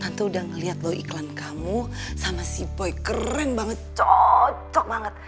tante udah ngeliat lho iklan kamu sama si boy keren banget cocok banget